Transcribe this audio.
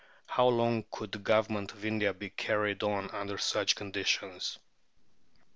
How long could the Government of India be carried on under such conditions?